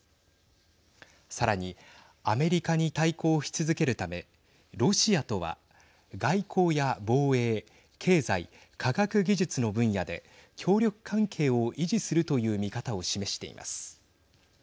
さらにアメリカに対抗し続けるためロシアとは外交や防衛経済、科学技術の分野で協力関係を維持するという見方を示しています。